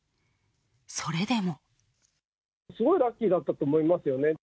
それでも。